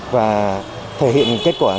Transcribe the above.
và thể hiện kết quả ngay